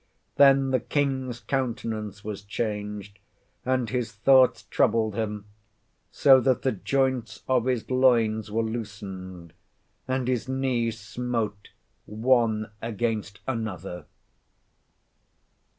Then the king's countenance was changed, and his thoughts troubled him, so that the joints of his loins were loosened, and his knees smote one against another."